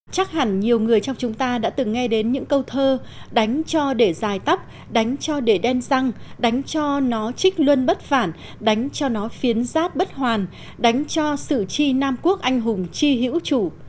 chắc hẳn nhiều người trong chúng ta đã từng nghe đến những câu thơ đánh cho để dài tóc đánh cho để đen răng đánh cho nó trích luôn bất phản đánh cho nó phiến giáp bất hoàn đánh cho sự chi nam quốc anh hùng chi hữu chủ